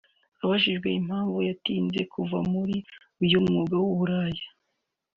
Abajijwe impamvu yifuza kuva muri uyu mwuga w’uburaya